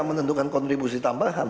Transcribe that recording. menentukan kontribusi tambahan